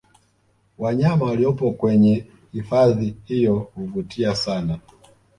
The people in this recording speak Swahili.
Wanyama waliopo kwenye hifadhi hiyo huvutia sana